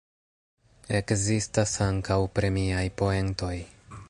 Ekzistas ankaŭ premiaj poentoj.